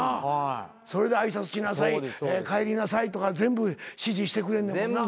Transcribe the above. それで挨拶しなさい帰りなさいとか全部指示してくれんねんもんな。